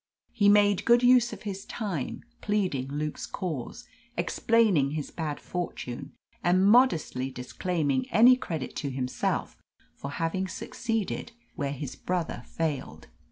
He made good use of his time, pleading Luke's cause, explaining his bad fortune, and modestly disclaiming any credit to himself for having succeeded where his brother failed.